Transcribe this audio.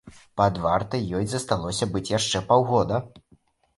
Пад вартай ёй засталося быць яшчэ паўгода.